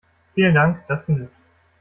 Vielen Dank, das genügt.